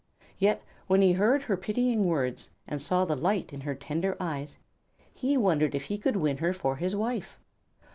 Yet when he heard her pitying words, and saw the light in her tender eyes, he wondered if he could win her for his wife.